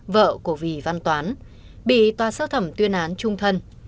vợ của vì văn toán bị tòa sơ thẩm tuyên án trung thân